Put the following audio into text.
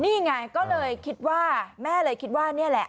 นี่ไงก็เลยคิดว่าแม่เลยคิดว่านี่แหละ